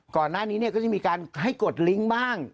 ก่อนหน้านี้ก็จะมีการให้กดลิงก์บ้าง